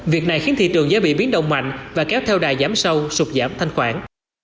việc này khiến thị trường dễ bị biến động mạnh và kéo theo đài giảm sâu sụt giảm thanh khoản